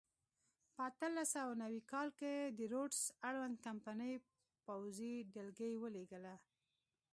په اتلس سوه نوي کال کې د روډز اړوند کمپنۍ پوځي ډلګۍ ولېږله.